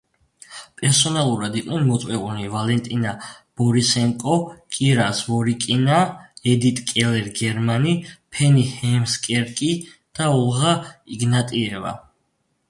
პერსონალურად იყვნენ მოწვეულნი: ვალენტინა ბორისენკო, კირა ზვორიკინა, ედიტ კელერ-გერმანი, ფენი ჰეემსკერკი და ოლღა იგნატიევა.